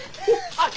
あっ！